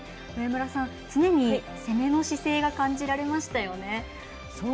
上村さん、常に攻めの姿勢が感じられましたよね。